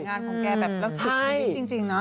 แกรักผลงานของแกแบบเหลือสุดท้ายนี้จริงนะ